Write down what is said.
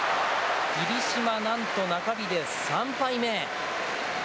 霧島、なんと中日で３敗目。